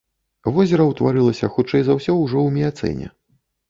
Возера ўтварылася хутчэй за ўсё ўжо ў міяцэне.